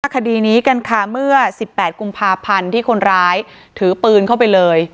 คดีนี้กันค่ะเมื่อ๑๘กุมภาพันธ์ที่คนร้ายถือปืนเข้าไปเลย